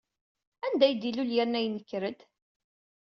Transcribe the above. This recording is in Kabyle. Anda ay d-ilul yerna yenker-d?